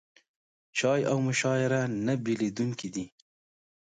چای او مشاعره نه بېلېدونکي دي.